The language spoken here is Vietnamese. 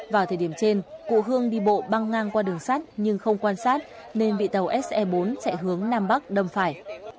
vào thời điểm trên cụ hương đi bộ băng ngang qua đường sắt nhưng không quan sát nên bị tàu se bốn chạy hướng nam bắc đâm phải